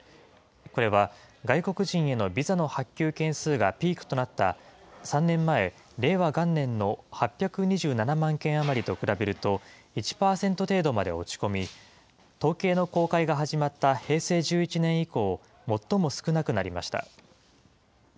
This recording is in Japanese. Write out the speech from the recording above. これは、外国人へのビザの発給件数がピークとなった３年前・令和元年の８２７万件余りと比べると、１％程度まで落ち込み、統計の公開が始まった平成１１年以降、最も少なくなりました。